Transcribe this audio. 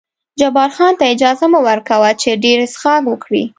جبار خان ته اجازه مه ور کوه چې ډېر څښاک وکړي.